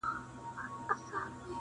بس وښکې یو او سترګو کښې راغلي يو جانانه